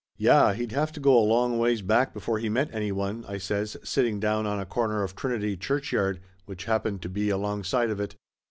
"Yeh! He'd have to go a long ways back before he met anyone," I says, sitting down on a corner of Trinity Churchyard, which happened to be alongside of it.